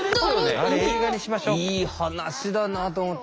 いい話だなと思って。